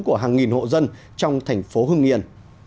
của hàng nghìn hộ dân trong thành phố hưng yên